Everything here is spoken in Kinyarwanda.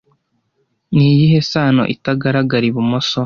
niyihe sano itagaragara Ibumoso